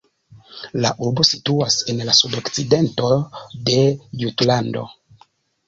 La urbo situas en la sudokcidento de Jutlando.